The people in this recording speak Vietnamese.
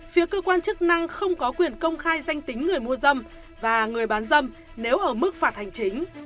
phía cơ quan chức năng không có quyền công khai danh tính người mua dâm và người bán dâm nếu ở mức phạt hành chính